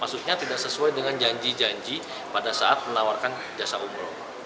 maksudnya tidak sesuai dengan janji janji pada saat menawarkan jasa umroh